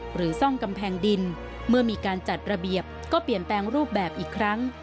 ซ่องกำแพงดินเมื่อมีการจัดระเบียบก็เปลี่ยนแปลงรูปแบบอีกครั้ง